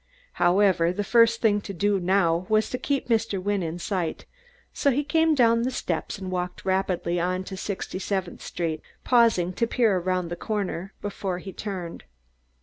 However, the first thing to do now was to keep Mr. Wynne in sight, so he came down the steps and walked rapidly on to Sixty seventh Street, pausing to peer around the corner before he turned.